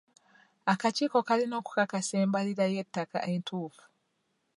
Akakiiko kalina okukakasa embalirira y'ettaka entuufu.